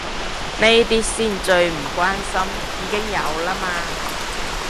呢啲先最唔關心，已經有啦嘛